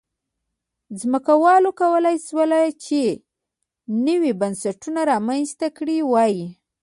ځمکوالو کولای شول چې نوي بنسټونه رامنځته کړي وای.